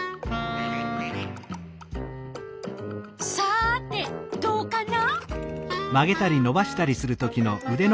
さてどうかな？